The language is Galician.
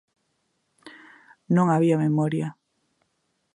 Non había memoria.